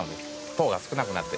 糖が少なくなって。